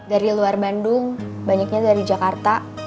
dari luar bandung banyaknya dari jakarta